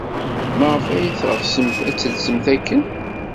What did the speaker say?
Maɣef ay teɣsemt ad telsemt akken?